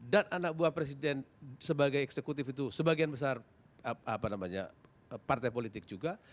dan anak buah presiden sebagai eksekutif itu sebagian besar apa namanya partai politik juga